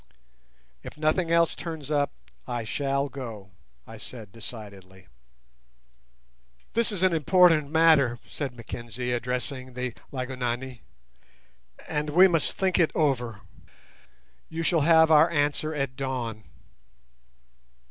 "If nothing else turns up I shall go," I said decidedly. "This is an important matter," said Mackenzie, addressing the Lygonani, "and we must think it over. You shall have our answer at dawn."